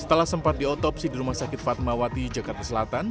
setelah sempat diotopsi di rumah sakit fatmawati jakarta selatan